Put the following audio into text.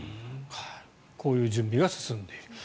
こういう準備が進んでいる。